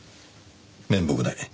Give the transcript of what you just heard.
面目ない。